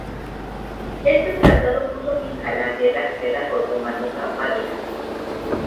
Este tratado puso fin a la guerra guerra otomano-safávida.